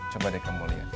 coba deh kamu lihat